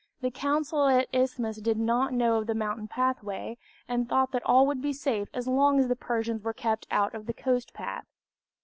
The council at the Isthmus did not know of the mountain pathway, and thought that all would be safe as long as the Persians were kept out of the coast path.